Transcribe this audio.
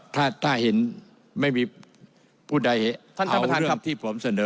ถ้าเห็นไม่มีพูดใดเอาเรื่องที่ผมเสนอ